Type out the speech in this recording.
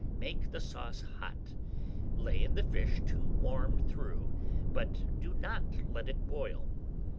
Make the sauce hot, lay in the fish to warm through, but do not let it boil.